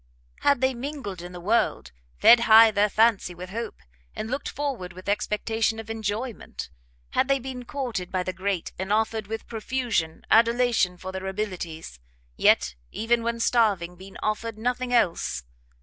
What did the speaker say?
Had they mingled in the world, fed high their fancy with hope, and looked forward with expectation of enjoyment; had they been courted by the great, and offered with profusion adulation for their abilities, yet, even when starving, been offered nothing else!